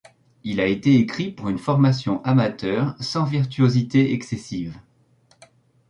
Il a été écrit pour une formation amateur, sans virtuosité excessive.